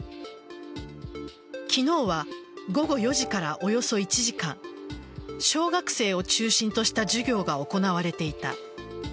昨日は午後４時からおよそ１時間小学生を中心とした授業が行われていた。